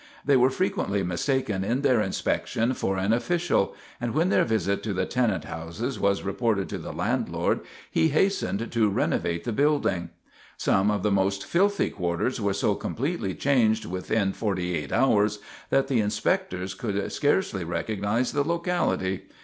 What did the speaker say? They were frequently mistaken in their inspection for an official, and when their visit to the tenant houses was reported to the landlord, he hastened to renovate the building. Some of the most filthy quarters were so completely changed within forty eight hours that the inspectors could scarcely recognize the locality.